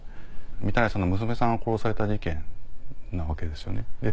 御手洗さんの娘さんが殺された事件なわけですよね。